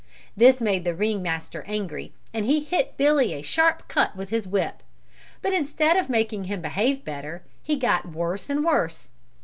This made the ring master angry and he hit Billy a sharp cut with his whip, but instead of making him behave better he got worse and worse.